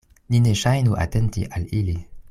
Ni ne ŝajnu atenti al ili.